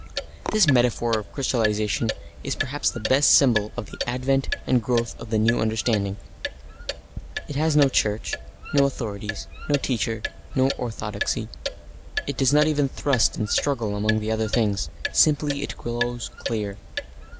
This metaphor of crystallisation is perhaps the best symbol of the advent and growth of the new understanding. It has no church, no authorities, no teachers, no orthodoxy. It does not even thrust and struggle among the other things; simply it grows clear.